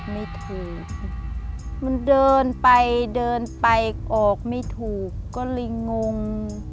ไม่ถูกมันเดินไปเดินไปออกไม่ถูกก็เลยงง